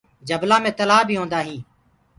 جبلآ مي تلآه بي هوندآ هينٚ۔